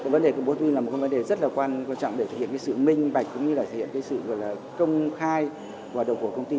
vấn đề của bố tuyên là một vấn đề rất quan trọng để thể hiện sự minh bạch cũng như là công khai hoạt động của công ty